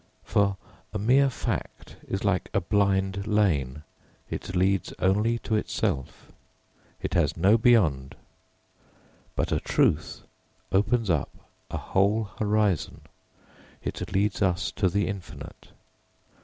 For, a mere fact is like a blind lane, it leads only to itself it has no beyond. But a truth opens up a whole horizon, it leads us to the infinite.